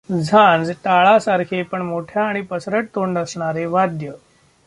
झांज टाळासारखे पण मोठ्या आणि पसरट तोंड असणारे वाद्य.